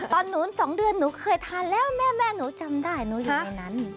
ตอนหนู๒เดือนหนูเคยทานแล้วแม่หนูจำได้หนูอยู่ตรงนั้น